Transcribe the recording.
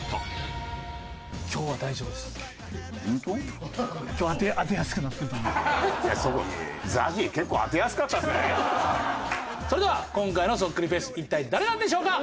今日はそれでは今回のそっくりフェイス一体誰なんでしょうか？